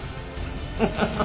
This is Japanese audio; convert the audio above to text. ハハハハッ！